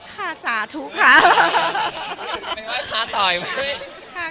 คาสาธุค่ะ